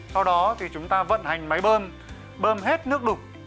sau đó thì chúng ta vận hành máy bơm bơm hết nước đục